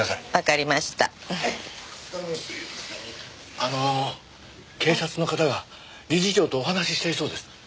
あの警察の方が理事長とお話ししたいそうです。